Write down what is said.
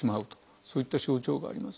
そういった症状があります。